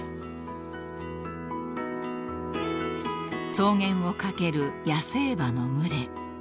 ［草原を駆ける野生馬の群れ］